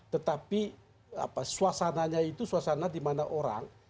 tetapi suasananya itu suasana dimana orang